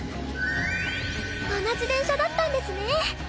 同じ電車だったんですね。